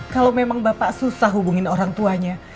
kalau memang bapak susah hubungin orang tuanya